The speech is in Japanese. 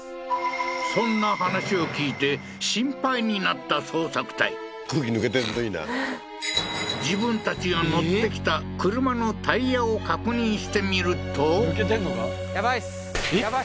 そんな話を聞いて心配になった捜索隊空気抜けてるといいなははっ自分たちが乗ってきた車のタイヤを確認してみると抜けてんのか？